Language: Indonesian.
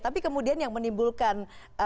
tapi kemudian yang menimbulkan